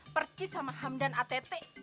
percis sama hamdan att